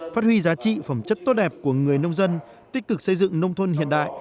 phát huy giá trị phẩm chất tốt đẹp của người nông dân tích cực xây dựng nông thôn hiện đại